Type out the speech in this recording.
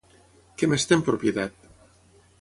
Què més té en propietat?